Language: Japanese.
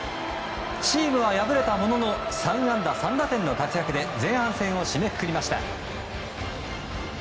チームは敗れたものの３安打３打点の活躍で前半戦を締めくくりました。